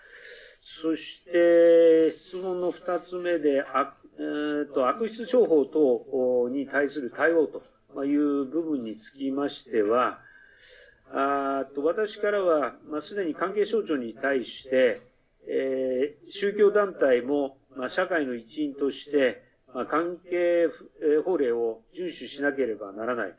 そして、質問の２つ目で悪質商法等に対する対応という部分につきましては私からはすでに関係省庁に対して宗教団体も社会の一員として関係法令を順守しなければならない。